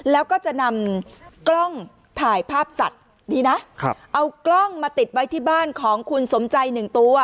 แล้วก็จะนำกล้องถ่ายภาพสัตว์ดีนะเอากล้องมาติดไว้ที่บ้านของคุณสมใจหนึ่งตัว